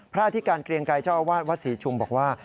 พระอาทิการเกลียงไกลเจ้าอาวาสวัสดิ์ศรีชุมบอกว่า